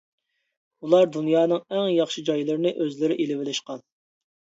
ئۇلار دۇنيانىڭ ئەڭ ياخشى جايلىرىنى ئۆزلىرى ئېلىۋېلىشقان.